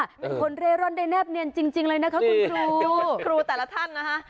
เป็นคนเร่ร่อนได้แนบเนียนจริงเลยนะคะคุณครูครูแต่ละท่านนะคะ